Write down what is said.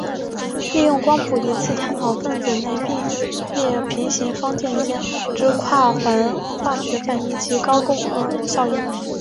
利用光谱仪器探讨分子内并列平行双键间之跨环化学反应及高共轭效应。